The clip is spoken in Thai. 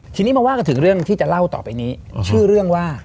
ทีนี้มาว่ากันถึงเรื่องที่จะเล่าต่อไปนี้ชื่อเรื่องว่า